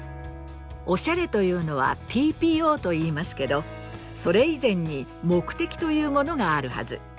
お洒落というのはＴＰＯと言いますけどそれ以前に目的というものがあるはず。